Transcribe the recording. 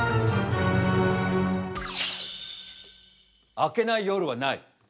明けない夜はない。